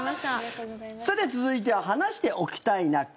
さて、続いては「話しておきたいな会」。